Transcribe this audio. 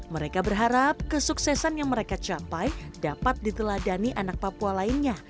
mereka berharap kesuksesan yang mereka capai dapat diteladani anak papua lainnya